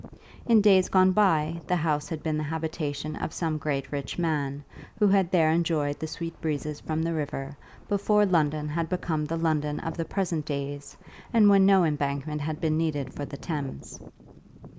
In days gone by the house had been the habitation of some great rich man, who had there enjoyed the sweet breezes from the river before London had become the London of the present days, and when no embankment had been needed for the Thames.